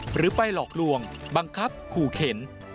หรือไปหลอกลวงบังคับขู่เข็น